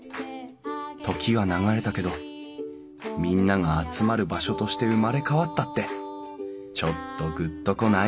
時は流れたけどみんなが集まる場所として生まれ変わったってちょっとグッと来ない？